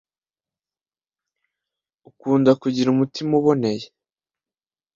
ukunda kugira umutima uboneye,